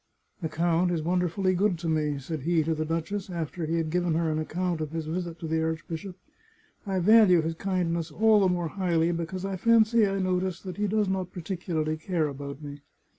" The count is wonderfully good to me," said he to the duchess, after he had given her an account of his visit to the archbishop. " I value his kindness all the more highly be cause I fancy I notice that he does not particularly care about me.